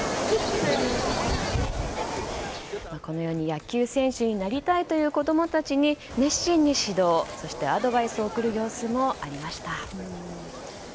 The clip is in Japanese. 野球選手になりたいという子供たちに熱心に指導、そしてアドバイスを送る様子もありました。